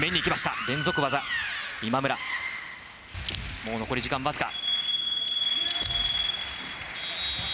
もう残り時間僅か。